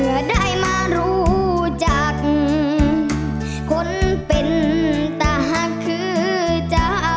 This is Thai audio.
ได้มารู้จักคนเป็นตาคือเจ้า